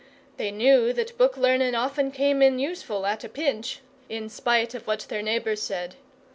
They knew that book learning often came in useful at a pinch, in spite of what their neighbours said.